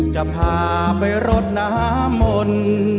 จะพาไปรดน้ำมนต์